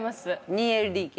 ２ＬＤＫ。